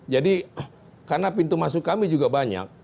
jadi karena pintu masuk kami juga banyak